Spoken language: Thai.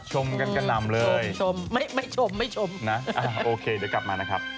ชมกันกระหน่ำเลยชมไม่ไม่ชมไม่ชมนะอ่าโอเคเดี๋ยวกลับมานะครับ